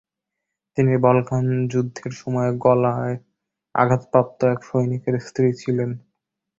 তিনি বলকান যুদ্ধের সময় গলায় আঘাতপ্রাপ্ত এক সৈনিকের স্ত্রী ছিলেন।